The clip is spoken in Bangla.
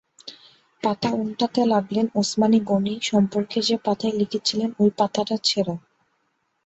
পাতা ওন্টাতে লাগলেন-ওসমান গনি সম্পর্কে যে-পাতায় লিখেছিলেন, ঐ পাতাটা ছেড়া।